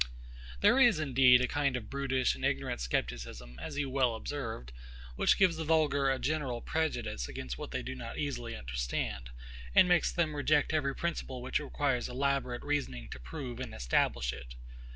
There is indeed a kind of brutish and ignorant scepticism, as you well observed, which gives the vulgar a general prejudice against what they do not easily understand, and makes them reject every principle which requires elaborate reasoning to prove and establish it.